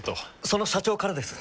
その社長からです。